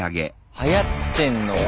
はやってんのか。